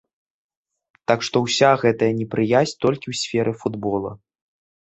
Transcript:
Так што ўся гэтая непрыязь толькі ў сферы футбола.